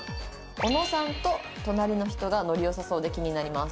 「小野さんと隣の人がノリ良さそうで気になります」